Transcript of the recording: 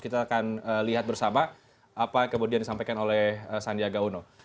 kita akan lihat bersama apa kemudian disampaikan oleh sandiaga uno